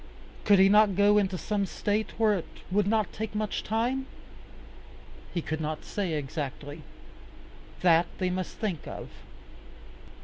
Could he not go into some State where it would not take much time? He could not say exactly. That they must think of.